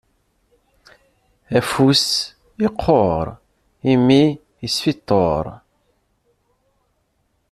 Afus iqquṛ, imi isfiṭṭuṛ.